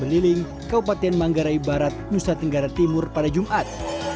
keliling kabupaten manggarai barat nusa tenggara timur pada jumat